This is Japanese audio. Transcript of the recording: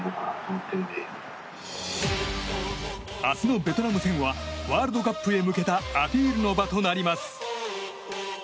明日のベトナム戦はワールドカップへ向けたアピールの場となります。